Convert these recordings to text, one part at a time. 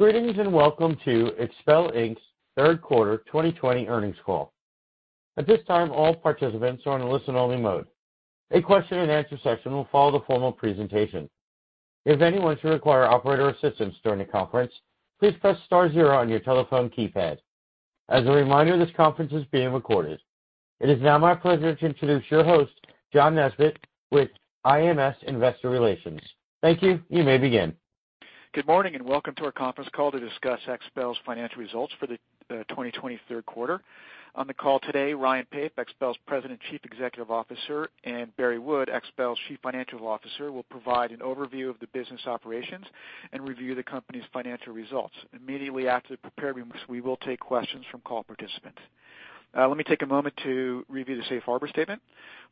Greetings, welcome to XPEL, Inc.'s Third Quarter 2020 Earnings Call. At this time, all participants are in a listen-only mode. A question and answer session will follow the formal presentation. If anyone should require operator assistance during the conference, please press star zero on your telephone keypad. As a reminder, this conference is being recorded. It is now my pleasure to introduce your host, John Nesbett, with IMS Investor Relations. Thank you. You may begin. Good morning, welcome to our conference call to discuss XPEL's financial results for the 2023 third quarter. On the call today, Ryan Pape, XPEL's President Chief Executive Officer, and Barry Wood, XPEL's Chief Financial Officer, will provide an overview of the business operations and review the company's financial results. Immediately after the prepared remarks, we will take questions from call participants. Let me take a moment to review the safe harbor statement.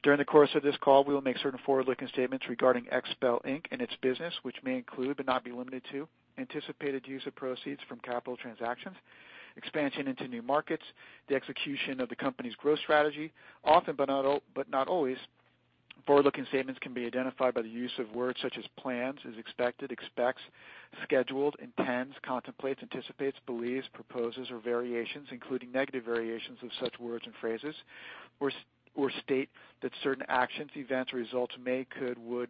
During the course of this call, we will make certain forward-looking statements regarding XPEL, Inc. and its business, which may include, but not be limited to, anticipated use of proceeds from capital transactions, expansion into new markets, the execution of the company's growth strategy. Often, but not always, forward-looking statements can be identified by the use of words such as plans, is expected, expects, scheduled, intends, contemplates, anticipates, believes, proposes, or variations, including negative variations of such words and phrases or state that certain actions, events, or results may, could, would,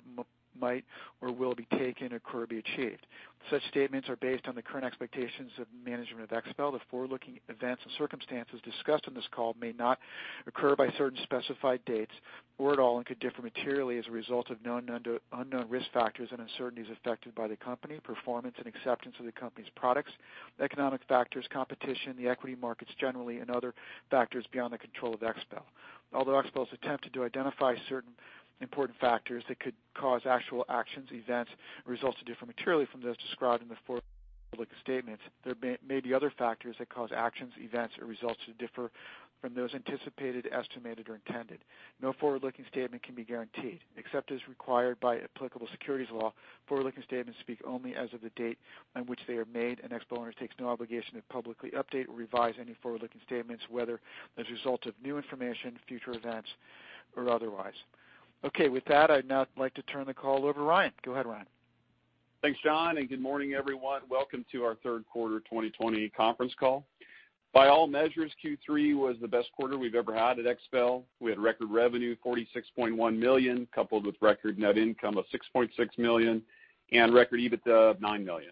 might, or will be taken occur or be achieved. Such statements are based on the current expectations of management of XPEL. The forward-looking events and circumstances discussed on this call may not occur by certain specified dates or at all and could differ materially as a result of known and unknown risk factors and uncertainties affected by the company, performance and acceptance of the company's products, economic factors, competition, the equity markets generally, and other factors beyond the control of XPEL. Although XPEL has attempted to identify certain important factors that could cause actual actions, events, or results to differ materially from those described in the forward-looking statements, there may be other factors that cause actions, events, or results to differ from those anticipated, estimated, or intended. No forward-looking statement can be guaranteed. Except as required by applicable securities law, forward-looking statements speak only as of the date on which they are made, and XPEL undertakes no obligation to publicly update or revise any forward-looking statements, whether as a result of new information, future events, or otherwise. Okay. With that, I'd now like to turn the call over to Ryan. Go ahead, Ryan. Thanks, John. Good morning, everyone. Welcome to our third quarter 2020 conference call. By all measures, Q3 was the best quarter we've ever had at XPEL. We had record revenue, $46.1 million, coupled with record net income of $6.6 million and record EBITDA of $9 million.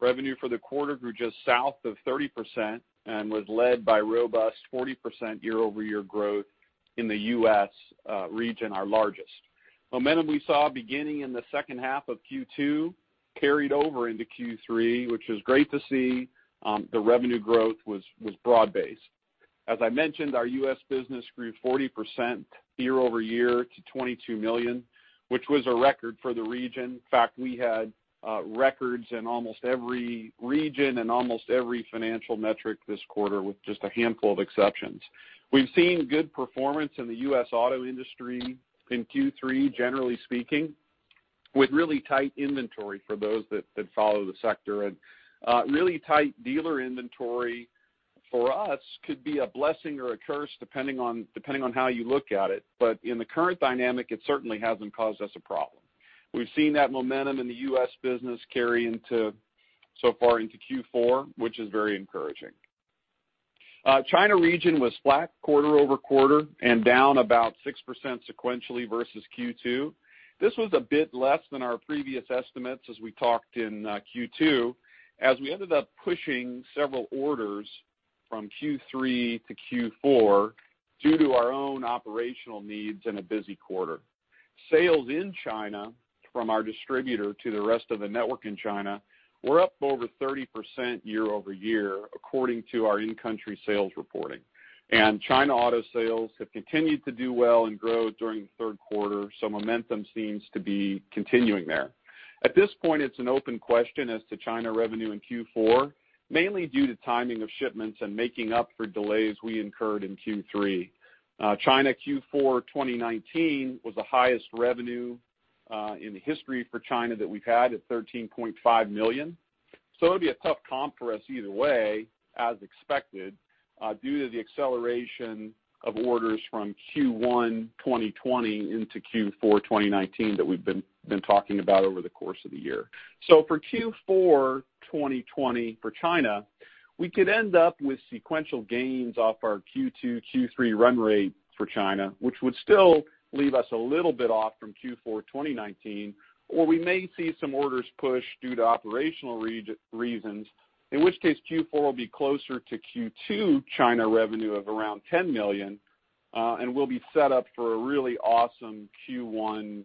Revenue for the quarter grew just south of 30% and was led by robust 40% year-over-year growth in the U.S. region, our largest. Momentum we saw beginning in the second half of Q2 carried over into Q3, which was great to see, the revenue growth was broad-based. As I mentioned, our U.S. business grew 40% year-over-year to $22 million, which was a record for the region. In fact, we had records in almost every region and almost every financial metric this quarter with just a handful of exceptions. We've seen good performance in the U.S. auto industry in Q3, generally speaking, with really tight inventory for those that follow the sector. Really tight dealer inventory for us could be a blessing or a curse, depending on how you look at it. In the current dynamic, it certainly hasn't caused us a problem. We've seen that momentum in the U.S. business carry into, so far into Q4, which is very encouraging. China region was flat quarter-over-quarter and down about 6% sequentially versus Q2. This was a bit less than our previous estimates as we talked in Q2, as we ended up pushing several orders from Q3-Q4 due to our own operational needs in a busy quarter. Sales in China from our distributor to the rest of the network in China were up over 30% year-over-year according to our in-country sales reporting. China auto sales have continued to do well and grow during the third quarter, so momentum seems to be continuing there. At this point, it's an open question as to China revenue in Q4, mainly due to timing of shipments and making up for delays we incurred in Q3. China Q4 2019 was the highest revenue in the history for China that we've had at $13.5 million. It'll be a tough comp for us either way as expected due to the acceleration of orders from Q1 2020 into Q4 2019 that we've been talking about over the course of the year. For Q4 2020 for China, we could end up with sequential gains off our Q2, Q3 run rate for China, which would still leave us a little bit off from Q4 2019, or we may see some orders pushed due to operational reasons, in which case Q4 will be closer to Q2 China revenue of around $10 million, and we'll be set up for a really awesome Q1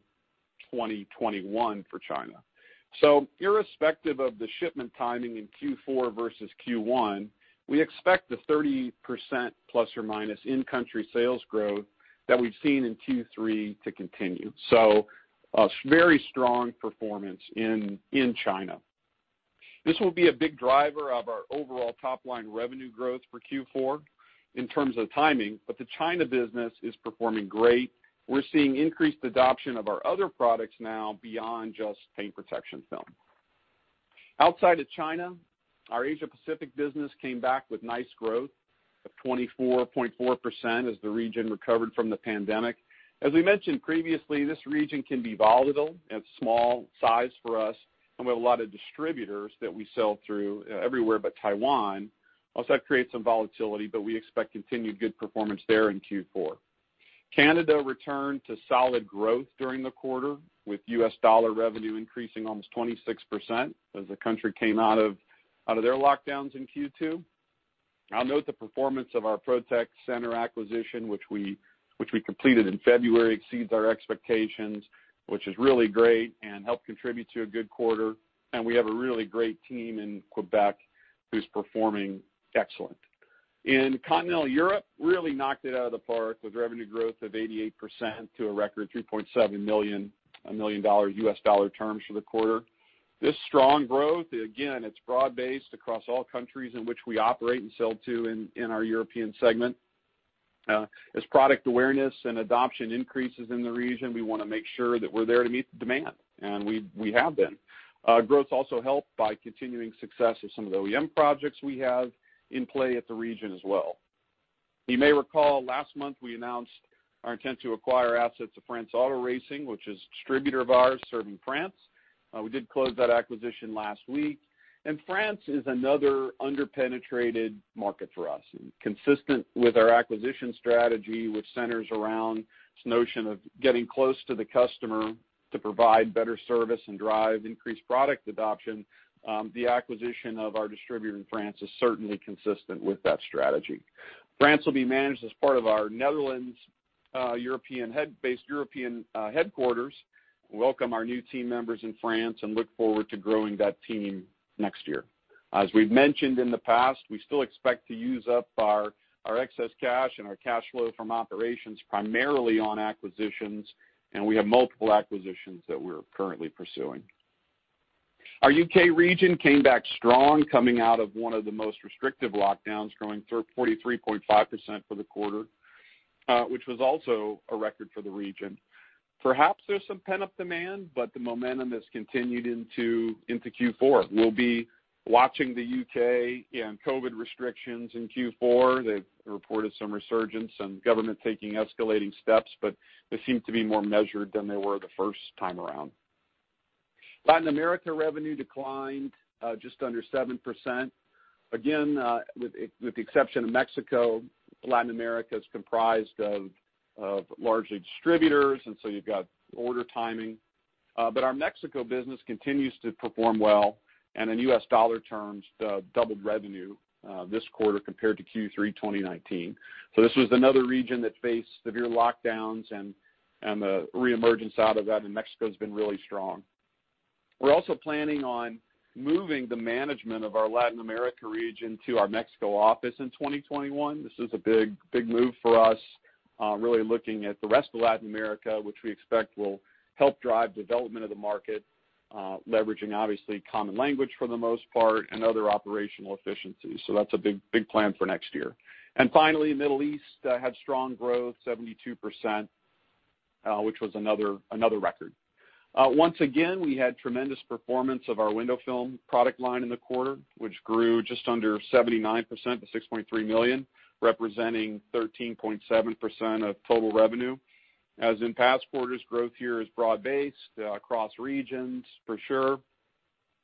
2021 for China. Irrespective of the shipment timing in Q4 versus Q1, we expect the 30% plus or minus in-country sales growth that we've seen in Q3 to continue. A very strong performance in China. This will be a big driver of our overall top-line revenue growth for Q4 in terms of timing, but the China business is performing great. We're seeing increased adoption of our other products now beyond just paint protection film. Outside of China, our Asia Pacific business came back with nice growth of 24.4% as the region recovered from the pandemic. As we mentioned previously, this region can be volatile and small size for us. We have a lot of distributors that we sell through everywhere but Taiwan. That creates some volatility, but we expect continued good performance there in Q4. Canada returned to solid growth during the quarter, with U.S. dollar revenue increasing almost 26% as the country came out of their lockdowns in Q2. I'll note the performance of our Protex Centre acquisition, which we completed in February, exceeds our expectations, which is really great and helped contribute to a good quarter. We have a really great team in Quebec who's performing excellent. In Continental Europe really knocked it out of the park with revenue growth of 88% to a record $3.7 million, a million dollar U.S.-dollar terms for the quarter. This strong growth, again, it's broad-based across all countries in which we operate and sell to in our European segment. As product awareness and adoption increases in the region, we wanna make sure that we're there to meet the demand, and we have been. Growth's also helped by continuing success of some of the OEM projects we have in play at the region as well. You may recall last month we announced our intent to acquire assets of France Auto Racing, which is a distributor of ours serving France. We did close that acquisition last week. France is another under-penetrated market for us. Consistent with our acquisition strategy, which centers around this notion of getting close to the customer to provide better service and drive increased product adoption, the acquisition of our distributor in France is certainly consistent with that strategy. France will be managed as part of our Netherlands-based European headquarters. Welcome our new team members in France and look forward to growing that team next year. As we've mentioned in the past, we still expect to use up our excess cash and our cash flow from operations primarily on acquisitions. We have multiple acquisitions that we're currently pursuing. Our U.K. region came back strong coming out of one of the most restrictive lockdowns, growing through 43.5% for the quarter, which was also a record for the region. Perhaps there's some pent-up demand, but the momentum has continued into Q4. We'll be watching the U.K. and COVID restrictions in Q4. They've reported some resurgence and government taking escalating steps, but they seem to be more measured than they were the first time around. Latin America revenue declined just under 7%. Again, with the exception of Mexico, Latin America is comprised of largely distributors, you've got order timing. Our Mexico business continues to perform well, and in U.S.-dollar terms, doubled revenue this quarter compared to Q3 2019. This was another region that faced severe lockdowns and the reemergence out of that, Mexico's been really strong. We're also planning on moving the management of our Latin America region to our Mexico office in 2021. This is a big, big move for us, really looking at the rest of Latin America, which we expect will help drive development of the market, leveraging obviously common language for the most part and other operational efficiencies. That's a big, big plan for next year. Finally, Middle East had strong growth, 72%, which was another record. Once again, we had tremendous performance of our window film product line in the quarter, which grew just under 79% to $6.3 million, representing 13.7% of total revenue. As in past quarters, growth here is broad-based across regions for sure.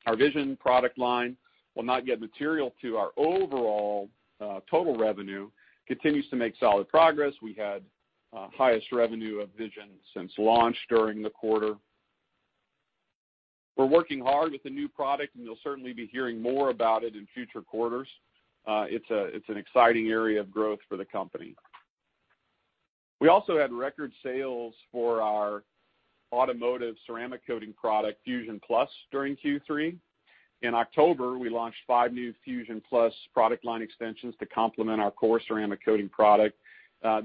Our Vision product line, while not yet material to our overall total revenue, continues to make solid progress. We had highest revenue of Vision since launch during the quarter. We're working hard with the new product, and you'll certainly be hearing more about it in future quarters. It's an exciting area of growth for the company. We also had record sales for our automotive ceramic coating product, Fusion Plus, during Q3. In October, we launched five new Fusion Plus product line extensions to complement our core ceramic coating product.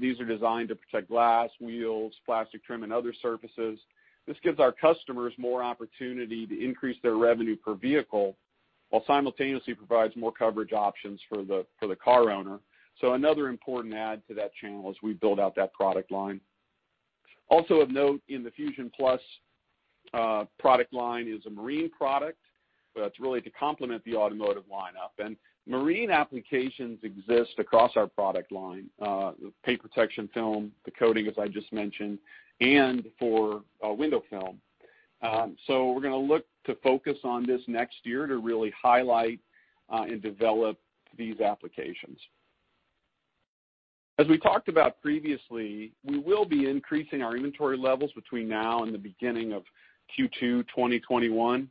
These are designed to protect glass, wheels, plastic trim, and other surfaces. This gives our customers more opportunity to increase their revenue per vehicle while simultaneously provides more coverage options for the car owner. Another important add to that channel as we build out that product line. Also of note in the Fusion Plus product line is a marine product. It's really to complement the automotive lineup. Marine applications exist across our product line, the paint protection film, the coating, as I just mentioned, and for window film. We're going to look to focus on this next year to really highlight and develop these applications. As we talked about previously, we will be increasing our inventory levels between now and the beginning of Q2 2021.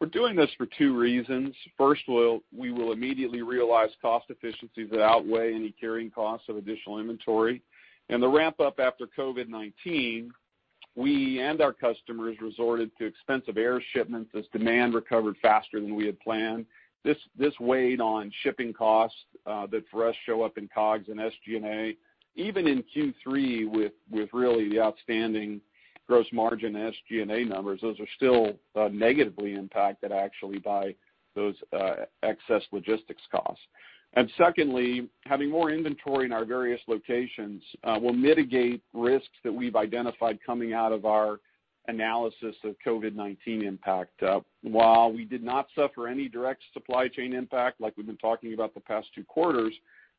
We're doing this for two reasons. First, we will immediately realize cost efficiencies that outweigh any carrying costs of additional inventory. In the ramp-up after COVID-19, we and our customers resorted to expensive air shipments as demand recovered faster than we had planned. This weighed on shipping costs that for us show up in COGS and SG&A. Even in Q3 with really outstanding gross margin SG&A numbers, those are still negatively impacted actually by those excess logistics costs. Secondly, having more inventory in our various locations will mitigate risks that we've identified coming out of our analysis of COVID-19 impact. While we did not suffer any direct supply chain impact like we've been talking about the past two quarters,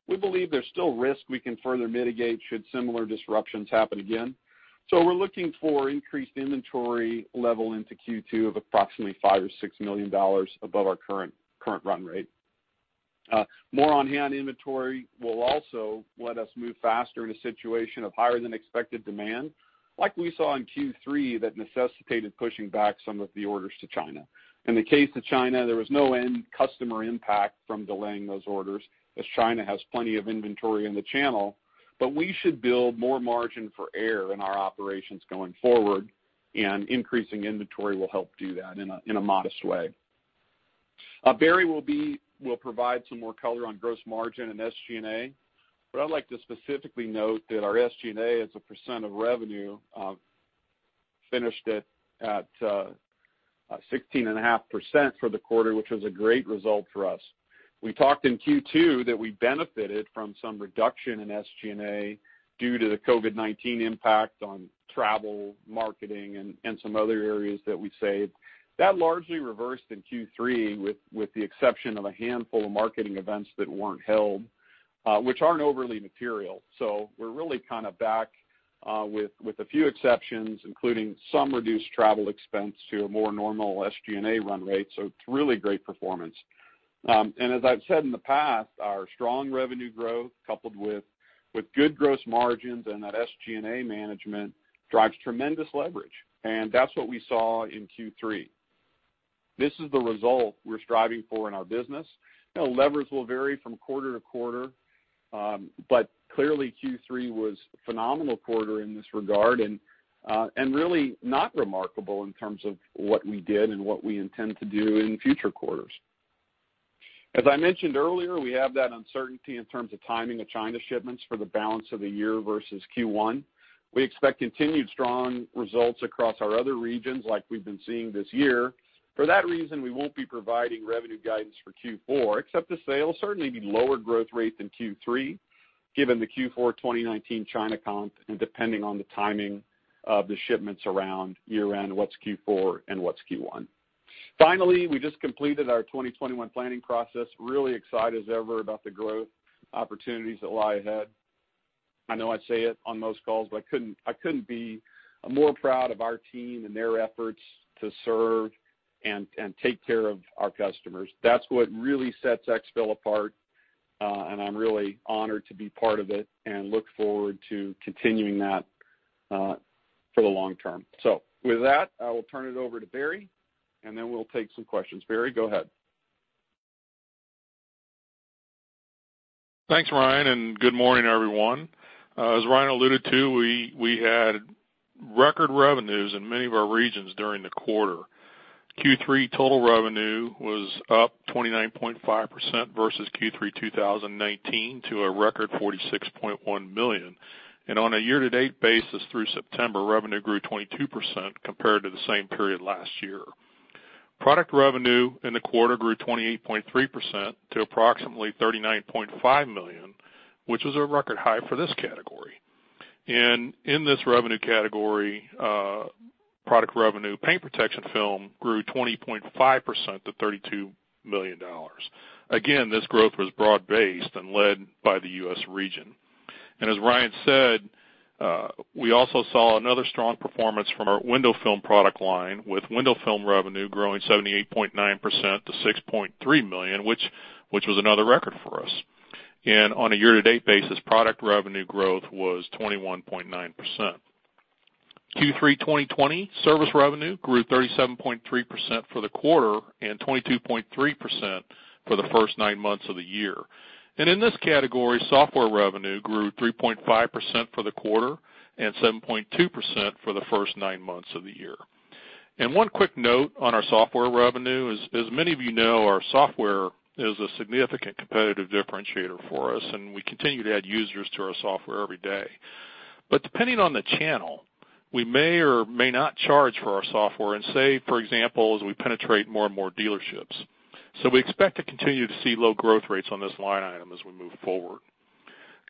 we believe there's still risk we can further mitigate should similar disruptions happen again. We're looking for increased inventory level into Q2 of approximately $5 million or $6 million above our current run rate. More on-hand inventory will also let us move faster in a situation of higher than expected demand, like we saw in Q3 that necessitated pushing back some of the orders to China. In the case of China, there was no end customer impact from delaying those orders, as China has plenty of inventory in the channel. We should build more margin for error in our operations going forward, and increasing inventory will help do that in a modest way. Barry Wood will provide some more color on gross margin and SG&A. I'd like to specifically note that our SG&A as a percent of revenue finished it at 16.5% for the quarter, which was a great result for us. We talked in Q2 that we benefited from some reduction in SG&A due to the COVID-19 impact on travel, marketing, and some other areas that we saved. That largely reversed in Q3, with the exception of a handful of marketing events that weren't held, which aren't overly material. We're really kind of back, with a few exceptions, including some reduced travel expense to a more normal SG&A run rate. It's really great performance. As I've said in the past, our strong revenue growth coupled with good gross margins and that SG&A management drives tremendous leverage, and that's what we saw in Q3. This is the result we're striving for in our business. You know, levers will vary from quarter-to-quarter, clearly, Q3 was a phenomenal quarter in this regard and really not remarkable in terms of what we did and what we intend to do in future quarters. As I mentioned earlier, we have that uncertainty in terms of timing of China shipments for the balance of the year versus Q1. We expect continued strong results across our other regions like we've been seeing this year. For that reason, we won't be providing revenue guidance for Q4, except to say it'll certainly be lower growth rate than Q3, given the Q4 2019 China comp and depending on the timing of the shipments around year-end, what's Q4 and what's Q1. We just completed our 2021 planning process. I am really excited as ever about the growth opportunities that lie ahead. I know I say it on most calls, I couldn't be more proud of our team and their efforts to serve and take care of our customers. That's what really sets XPEL apart, I'm really honored to be part of it and look forward to continuing that for the long term. With that, I will turn it over to Barry, we'll take some questions. Barry, go ahead. Thanks, Ryan. Good morning, everyone. As Ryan alluded to, we had record revenues in many of our regions during the quarter. Q3 total revenue was up 29.5% versus Q3 2019 to a record $46.1 million. On a year-to-date basis through September, revenue grew 22% compared to the same period last year. Product revenue in the quarter grew 28.3% to approximately $39.5 million, which was a record high for this category. In this revenue category, product revenue, paint protection film grew 20.5% to $32 million. Again, this growth was broad-based and led by the U.S. region. As Ryan said, we also saw another strong performance from our window film product line, with window film revenue growing 78.9% to $6.3 million, which was another record for us. On a year-to-date basis, product revenue growth was 21.9%. Q3 2020 service revenue grew 37.3% for the quarter and 22.3% for the first nine months of the year. In this category, software revenue grew 3.5% for the quarter and 7.2% for the first nine months of the year. One quick note on our software revenue is, as many of you know, our software is a significant competitive differentiator for us, and we continue to add users to our software every day. Depending on the channel, we may or may not charge for our software and say, for example, as we penetrate more and more dealerships. We expect to continue to see low growth rates on this line item as we move forward.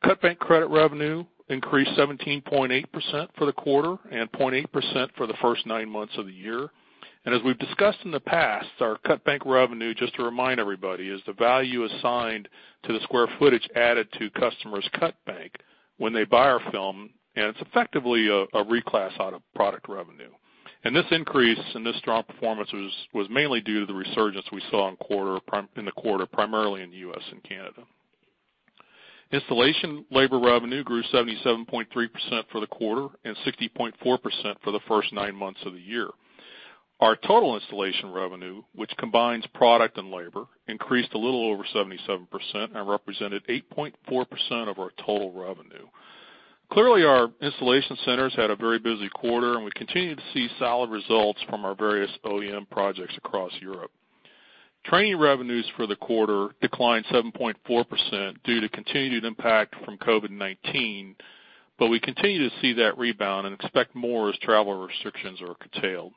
Cutbank credit revenue increased 17.8% for the quarter and 0.8% for the first nine months of the year. As we've discussed in the past, our cutbank revenue, just to remind everybody, is the value assigned to the square footage added to customers' cutbank when they buy our film, and it's effectively a reclass out of product revenue. This increase and this strong performance was mainly due to the resurgence we saw in the quarter, primarily in the U.S. and Canada. Installation labor revenue grew 77.3% for the quarter and 60.4% for the first nine months of the year. Our total installation revenue, which combines product and labor, increased a little over 77% and represented 8.4% of our total revenue. Clearly, our installation centers had a very busy quarter, and we continue to see solid results from our various OEM projects across Europe. Training revenues for the quarter declined 7.4% due to continued impact from COVID-19, we continue to see that rebound and expect more as travel restrictions are curtailed.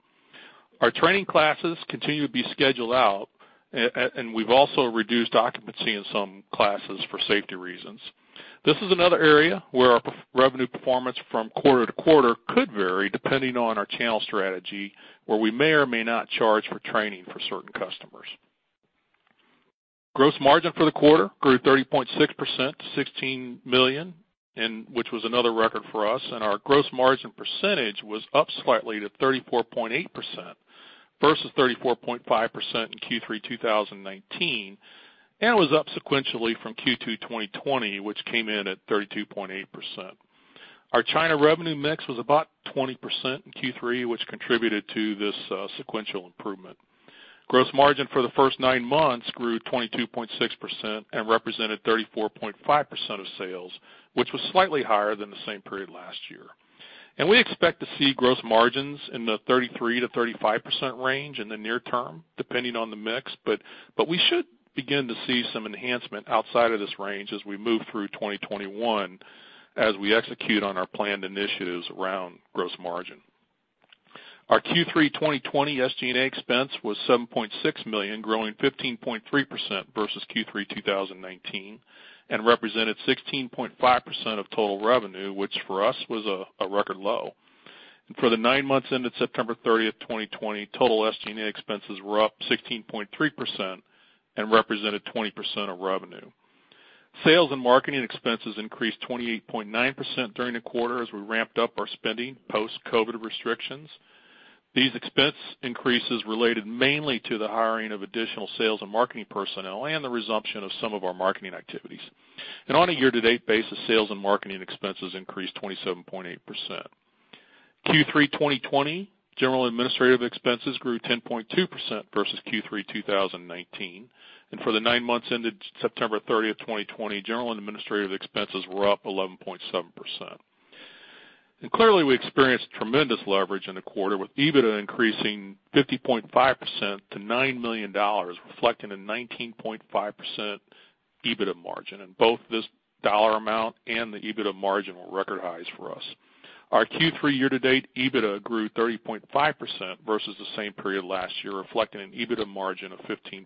Our training classes continue to be scheduled out, we've also reduced occupancy in some classes for safety reasons. This is another area where our revenue performance from quarter-to-quarter could vary depending on our channel strategy, where we may or may not charge for training for certain customers. Gross margin for the quarter grew 30.6% to $16 million, and which was another record for us, and our gross margin percentage was up slightly to 34.8% versus 34.5% in Q3 2019 and was up sequentially from Q2 2020, which came in at 32.8%. Our China revenue mix was about 20% in Q3, which contributed to this sequential improvement. Gross margin for the first nine months grew 22.6% and represented 34.5% of sales, which was slightly higher than the same period last year. We expect to see gross margins in the 33%-35% range in the near term, depending on the mix, but we should begin to see some enhancement outside of this range as we move through 2021, as we execute on our planned initiatives around gross margin. Our Q3 2020 SG&A expense was $7.6 million, growing 15.3% versus Q3 2019, and represented 16.5% of total revenue, which for us was a record low. For the nine months ended September 30th, 2020, total SG&A expenses were up 16.3% and represented 20% of revenue. Sales and marketing expenses increased 28.9% during the quarter as we ramped up our spending post-COVID restrictions. These expense increases related mainly to the hiring of additional sales and marketing personnel and the resumption of some of our marketing activities. On a year-to-date basis, sales and marketing expenses increased 27.8%. Q3 2020, general and administrative expenses grew 10.2% versus Q3 2019. For the nine months ended September 30th, 2020, general and administrative expenses were up 11.7%. Clearly, we experienced tremendous leverage in the quarter, with EBITDA increasing 50.5% to $9 million, reflecting a 19.5% EBITDA margin, and both this dollar amount and the EBITDA margin were record highs for us. Our Q3 year-to-date EBITDA grew 30.5% versus the same period last year, reflecting an EBITDA margin of 15.6%.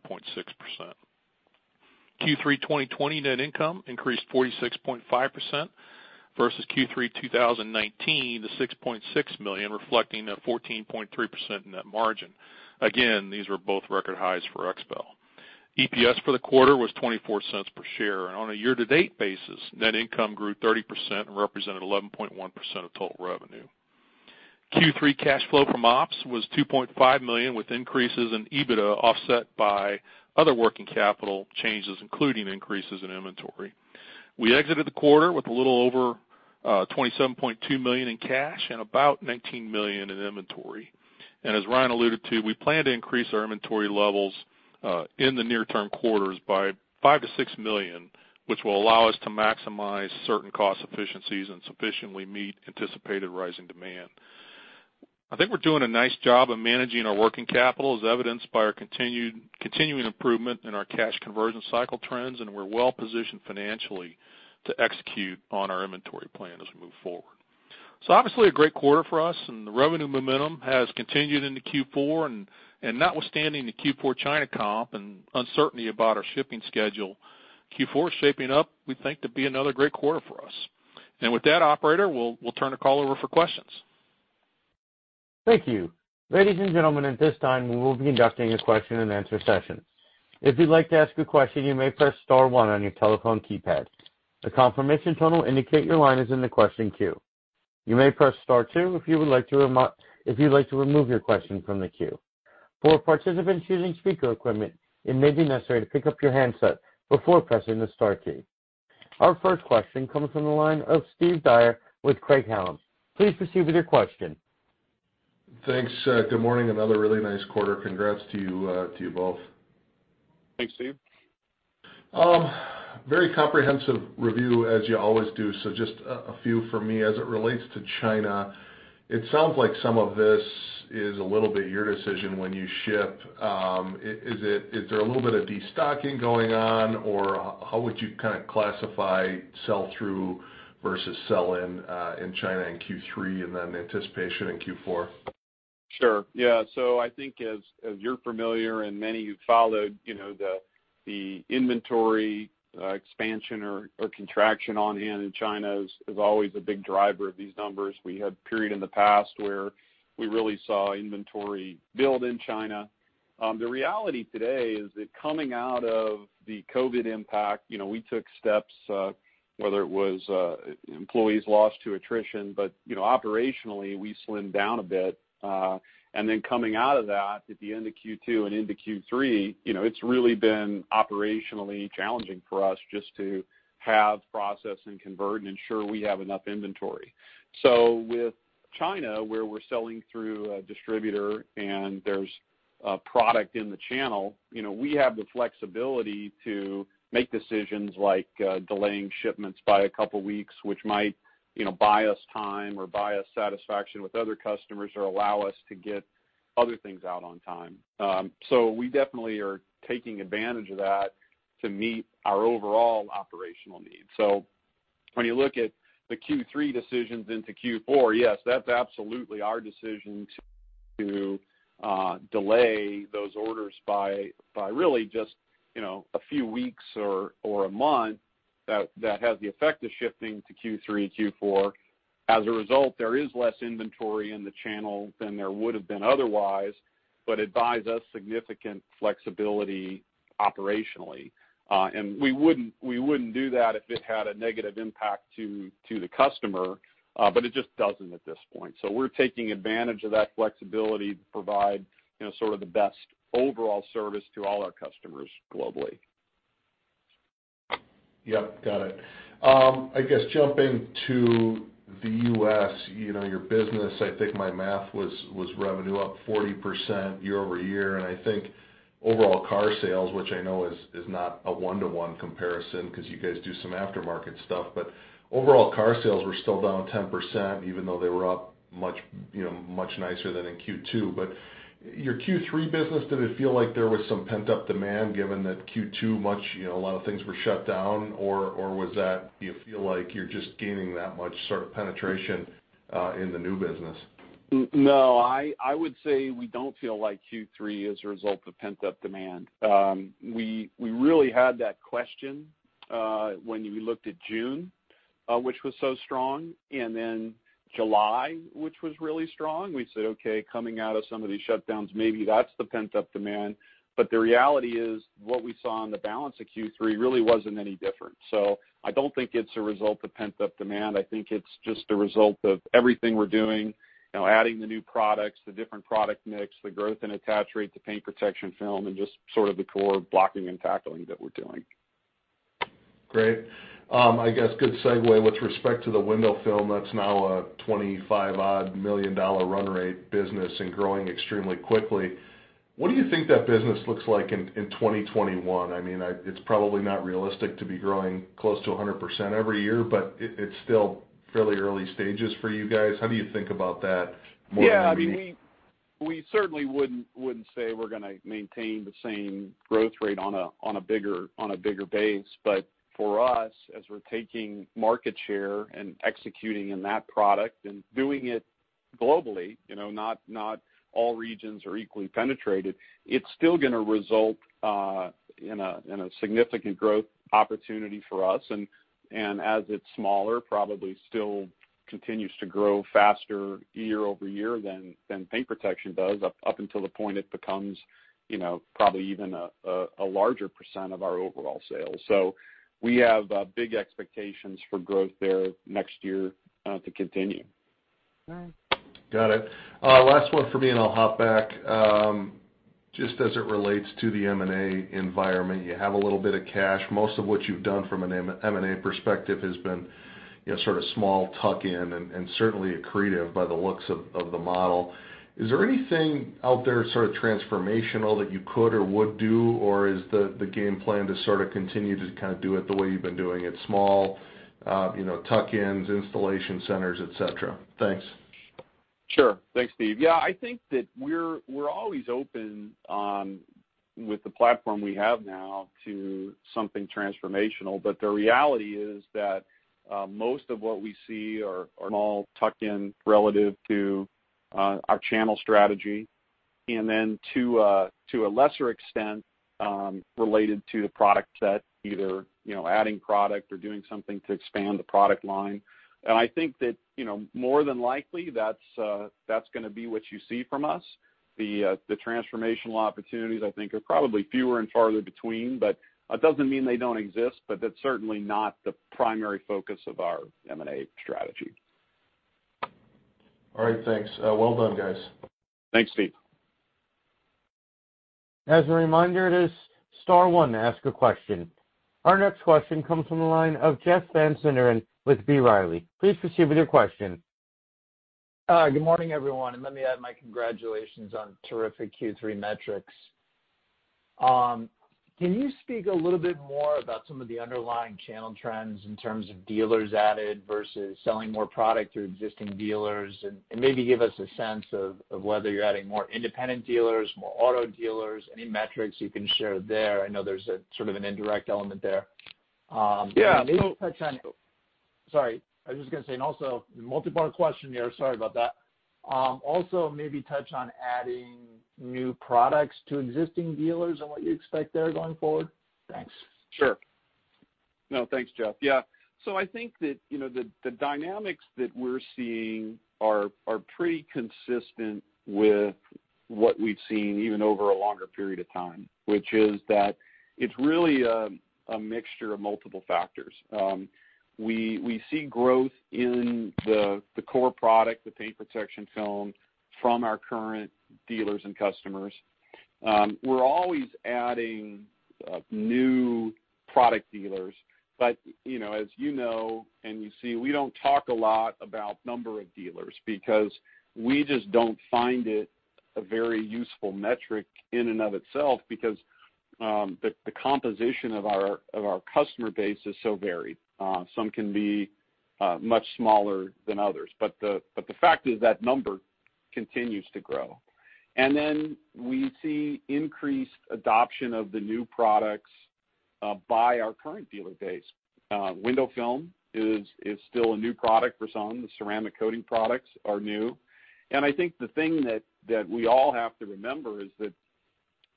Q3 2020 net income increased 46.5% versus Q3 2019 to $6.6 million, reflecting a 14.3% net margin. Again, these were both record highs for XPEL. EPS for the quarter was $0.24 per share. On a year-to-date basis, net income grew 30% and represented 11.1% of total revenue. Q3 cash flow from ops was $2.5 million, with increases in EBITDA offset by other working capital changes, including increases in inventory. We exited the quarter with a little over $27.2 million in cash and about $19 million in inventory. As Ryan alluded to, we plan to increase our inventory levels in the near-term quarters by $5 million-$6 million, which will allow us to maximize certain cost efficiencies and sufficiently meet anticipated rising demand. I think we're doing a nice job of managing our working capital as evidenced by our continuing improvement in our cash conversion cycle trends, and we're well-positioned financially to execute on our inventory plan as we move forward. Obviously a great quarter for us, and the revenue momentum has continued into Q4. Notwithstanding the Q4 China comp and uncertainty about our shipping schedule, Q4 is shaping up, we think, to be another great quarter for us. With that, operator, we'll turn the call over for questions. Thank you. Ladies and gentlemen, at this time, we will be conducting a question-and-answer session. If you'd like to ask a question, you may press star one on your telephone keypad. A confirmation tone will indicate your line is in the question queue. You may press star two if you would like to remove your question from the queue. For participants using speaker equipment, it may be necessary to pick up your handset before pressing the star key. Our first question comes from the line of Steve Dyer with Craig-Hallum. Please proceed with your question. Thanks. Good morning. Another really nice quarter. Congrats to you, to you both. Thanks, Steve. Very comprehensive review as you always do. Just a few from me. As it relates to China, it sounds like some of this is a little bit your decision when you ship. Is there a little bit of destocking going on, or how would you kind of classify sell-through versus sell-in in China in Q3 and then anticipation in Q4? Sure. Yeah. I think as you're familiar and many who followed, you know, the inventory expansion or contraction on hand in China is always a big driver of these numbers. We had a period in the past where we really saw inventory build in China. The reality today is that coming out of the COVID impact, you know, we took steps, whether it was employees lost to attrition, but, you know, operationally, we slimmed down a bit. Coming out of that, at the end of Q2 and into Q3, you know, it's really been operationally challenging for us just to have, process, and convert and ensure we have enough inventory. With China, where we're selling through a distributor and there's a product in the channel, you know, we have the flexibility to make decisions like delaying shipments by a couple weeks, which might, you know, buy us time or buy us satisfaction with other customers or allow us to get other things out on time. We definitely are taking advantage of that to meet our overall operational needs. When you look at the Q3 decisions into Q4, yes, that's absolutely our decision to delay those orders by really just, you know, a few weeks or a month that has the effect of shifting to Q3, Q4. As a result, there is less inventory in the channel than there would have been otherwise, but it buys us significant flexibility operationally. We wouldn't do that if it had a negative impact to the customer, but it just doesn't at this point. We're taking advantage of that flexibility to provide, you know, sort of the best overall service to all our customers globally. Yep, got it. I guess jumping to the U.S., you know, your business, I think my math was revenue up 40% year-over-year, and I think overall car sales, which I know is not a one-to-one comparison 'cause you guys do some aftermarket stuff, but overall car sales were still down 10% even though they were up much, you know, much nicer than in Q2. Your Q3 business, did it feel like there was some pent-up demand given that Q2 much, you know, a lot of things were shut down? Or, or was that do you feel like you're just gaining that much sort of penetration in the new business? No, I would say we don't feel like Q3 is a result of pent-up demand. We really had that question when we looked at June, which was so strong, and then July, which was really strong. We said, "Okay, coming out of some of these shutdowns, maybe that's the pent-up demand." The reality is what we saw on the balance of Q3 really wasn't any different. I don't think it's a result of pent-up demand. I think it's just a result of everything we're doing, you know, adding the new products, the different product mix, the growth in attach rate to paint protection film and just sort of the core blocking and tackling that we're doing. Great. I guess good segue with respect to the window film that's now a $25 odd million run rate business and growing extremely quickly. What do you think that business looks like in 2021? I mean, it's probably not realistic to be growing close to 100% every year, but it's still fairly early stages for you guys. How do you think about that more? Yeah, I mean, we certainly wouldn't say we're gonna maintain the same growth rate on a bigger base. For us, as we're taking market share and executing in that product and doing it globally, you know, not all regions are equally penetrated, it's still gonna result in a significant growth opportunity for us. As it's smaller, probably still continues to grow faster year-over-year than paint protection does up until the point it becomes, you know, probably even a larger percent of our overall sales. We have big expectations for growth there next year to continue. Got it. Last one for me. I'll hop back. Just as it relates to the M&A environment, you have a little bit of cash. Most of what you've done from an M&A perspective has been, you know, sort of small tuck-in and certainly accretive by the looks of the model. Is there anything out there sort of transformational that you could or would do, or is the game plan to sort of continue to kind of do it the way you've been doing it, small, you know, tuck-ins, installation centers, et cetera? Thanks. Sure. Thanks, Steve. Yeah, I think that we're always open with the platform we have now to something transformational. The reality is that most of what we see are small tuck-in relative to our channel strategy. To a lesser extent, related to the product set, either, you know, adding product or doing something to expand the product line. I think that, you know, more than likely that's gonna be what you see from us. The transformational opportunities I think are probably fewer and farther between, but doesn't mean they don't exist, but that's certainly not the primary focus of our M&A strategy. All right, thanks. Well done, guys. Thanks, Steve. As a reminder, it is star one to ask a question. Our next question comes from the line of Jeff Van Sinderen with B. Riley. Please proceed with your question. Good morning, everyone. Let me add my congratulations on terrific Q3 metrics. Can you speak a little bit more about some of the underlying channel trends in terms of dealers added versus selling more product through existing dealers? Maybe give us a sense of whether you're adding more independent dealers, more auto dealers, any metrics you can share there. I know there's a sort of an indirect element there. Yeah. Also multi-part question here. Sorry about that. Also maybe touch on adding new products to existing dealers and what you expect there going forward. Thanks. No, thanks, Jeff. I think that the dynamics that we're seeing are pretty consistent with what we've seen even over a longer period of time, which is that it's really a mixture of multiple factors. We see growth in the core product, the paint protection film, from our current dealers and customers. We're always adding new product dealers. As you know and you see, we don't talk a lot about number of dealers because we just don't find it a very useful metric in and of itself because the composition of our customer base is so varied. Some can be much smaller than others. The fact is that number continues to grow. We see increased adoption of the new products by our current dealer base. Window film is still a new product for some. The ceramic coating products are new. I think the thing that we all have to remember is that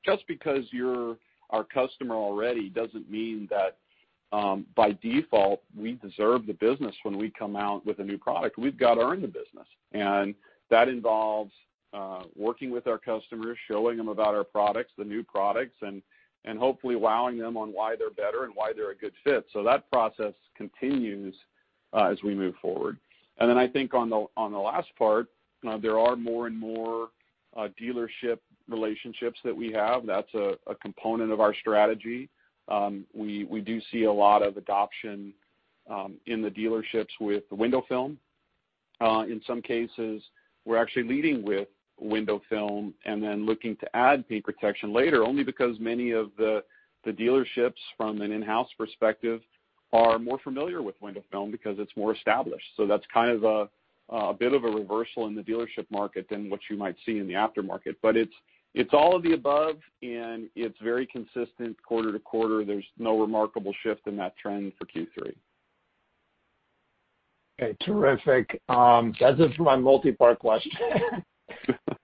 just because you're our customer already doesn't mean that by default we deserve the business when we come out with a new product. We've got to earn the business, and that involves working with our customers, showing them about our products, the new products, and hopefully wowing them on why they're better and why they're a good fit. That process continues as we move forward. I think on the last part, there are more and more dealership relationships that we have. That's a component of our strategy. We do see a lot of adoption in the dealerships with the window film. In some cases, we're actually leading with window film and then looking to add paint protection later, only because many of the dealerships from an in-house perspective are more familiar with window film because it's more established. That's kind of a bit of a reversal in the dealership market than what you might see in the aftermarket. It's all of the above, and it's very consistent quarter-to-quarter. There's no remarkable shift in that trend for Q3. Okay, terrific. As for my multi-part question.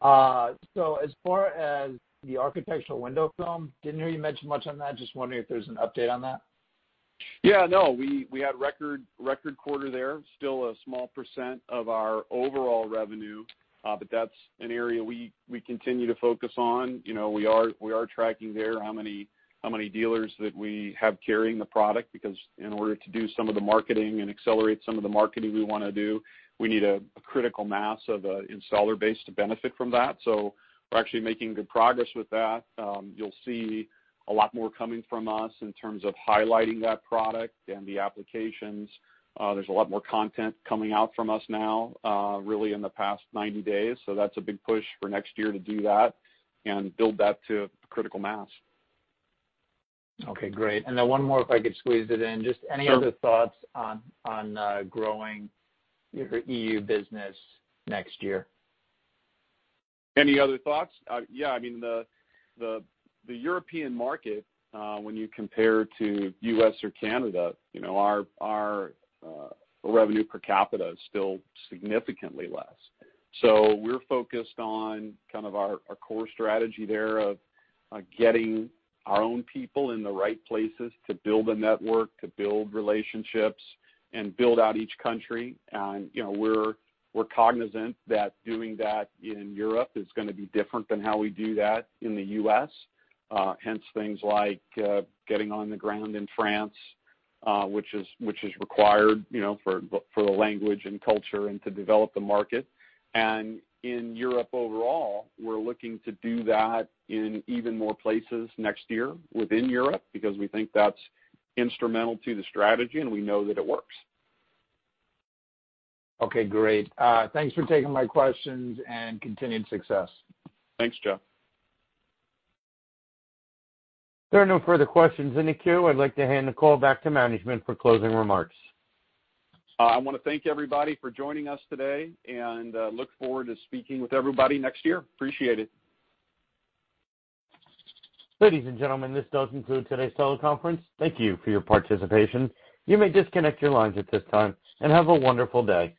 As far as the architectural window film, didn't hear you mention much on that. Just wondering if there's an update on that. Yeah, no, we had record quarter there. Still a small percent of our overall revenue, but that's an area we continue to focus on. You know, we are tracking there how many dealers that we have carrying the product because in order to do some of the marketing and accelerate some of the marketing we wanna do, we need a critical mass of a installer base to benefit from that. We're actually making good progress with that. You'll see a lot more coming from us in terms of highlighting that product and the applications. There's a lot more content coming out from us now, really in the past 90 days. That's a big push for next year to do that and build that to critical mass. Okay, great. One more if I could squeeze it in. Sure. Just any other thoughts on growing your EU business next year? Any other thoughts? Yeah, I mean, the European market, when you compare to U.S. or Canada, you know, our revenue per capita is still significantly less. We're focused on kind of our core strategy there of getting our own people in the right places to build a network, to build relationships, and build out each country. You know, we're cognizant that doing that in Europe is gonna be different than how we do that in the U.S., hence things like getting on the ground in France, which is required, you know, for the language and culture and to develop the market. In Europe overall, we're looking to do that in even more places next year within Europe because we think that's instrumental to the strategy, and we know that it works. Okay, great. Thanks for taking my questions. Continued success. Thanks, Jeff. There are no further questions in the queue. I'd like to hand the call back to management for closing remarks. I wanna thank everybody for joining us today and look forward to speaking with everybody next year. Appreciate it. Ladies and gentlemen, this does conclude today's teleconference. Thank you for your participation. You may disconnect your lines at this time, and have a wonderful day.